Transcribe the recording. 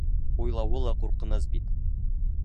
Уйлауы ла ҡурҡыныс бит!